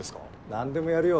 何でもやるよ。